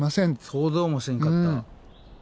想像もせんかった。